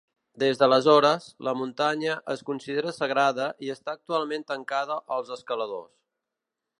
Des d"aleshores, la muntanya es considera sagrada i està actualment tancada als escaladors.